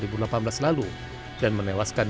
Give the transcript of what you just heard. semoga banyak yang menemukan